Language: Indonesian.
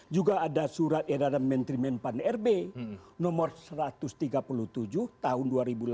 juga ada surat edaran menteri menpan rb nomor satu ratus tiga puluh tujuh tahun dua ribu delapan belas